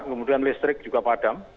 kemudian listrik juga padam